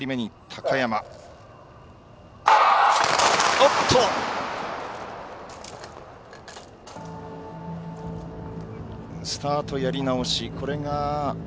おっとスタートやり直し。